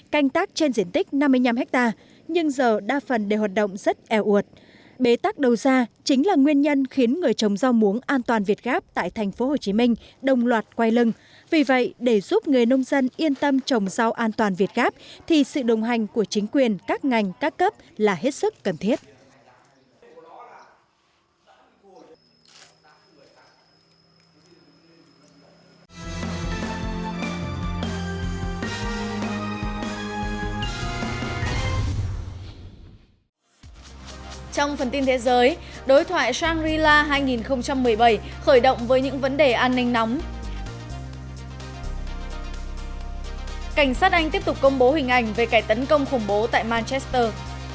cảnh sát anh tiếp tục công bố hình ảnh về kẻ tấn công khủng bố tại manchester